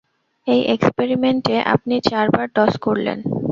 এই এক্সপেরিমেন্টে আপনি চার বার টস করলেন।